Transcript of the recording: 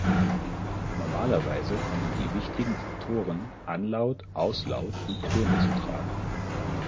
Normalerweise kommen die wichtigen Faktoren Anlaut, Auslaut und Töne zum tragen.